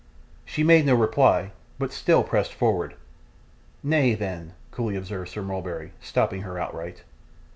She made no reply, but still pressed forward. 'Nay, then ' coolly observed Sir Mulberry, stopping her outright.